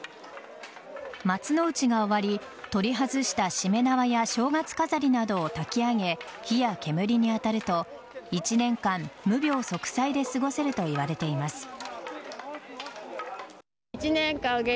松の内が終わり取り外したしめ縄や正月飾りなどを炊き上げ火や煙に当たると１年間無病息災で過ごせるといわれています。